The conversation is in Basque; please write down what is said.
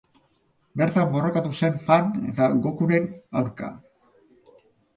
Bertan borrokatu zen Pan eta Gokuren aurka.